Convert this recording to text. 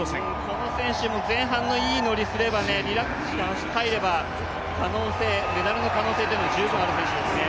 この選手も前半のいいのりすれば、リラックスして入ればメダルの可能性は十分ある選手ですね。